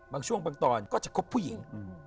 บางช่วงบางตอนก็จะคบผู้หญิง